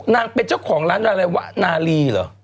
นางเป็นเจ้าของร้านอะไรวะนาลีเหรอ